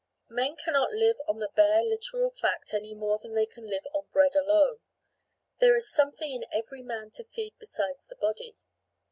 Men cannot live on the bare, literal fact any more than they can live on bread alone; there is something in every man to feed besides his body.